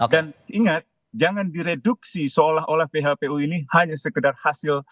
dan ingat jangan direduksi seolah olah phpu ini hanya sekedar hasil